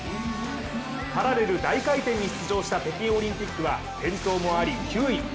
パラレル大回転に出場した北京オリンピックは転倒もあり９位。